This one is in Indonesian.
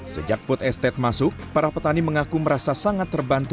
sejak food estate masuk para petani mengaku merasa sangat terbantu